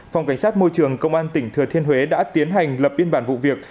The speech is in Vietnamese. phòng cảnh sát môi trường công an tỉnh thừa thiên huế đã tiến hành lập biên bản vụ việc